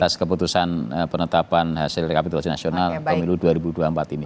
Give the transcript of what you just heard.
atas keputusan penetapan hasil rekapitulasi nasional pemilu dua ribu dua puluh empat ini